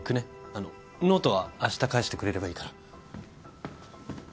あのノートはあした返してくれればいいから。